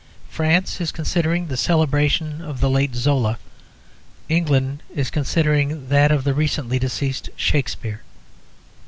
France is considering the celebration of the late Zola, England is considering that of the recently deceased Shakspere.